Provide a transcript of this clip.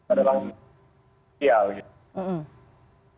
adalah ideal gitu